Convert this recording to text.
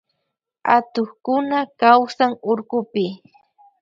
Atukkuna kawsan urkupi.